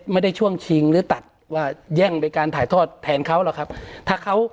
ไม่ได้ช่วงชิงหรือตัดว่าแย่งไปการถ่ายทอดแทนเขาหรอกครับ